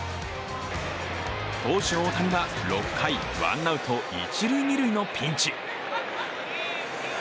投手大谷は６回、ワンアウト一塁・二塁のピンチ。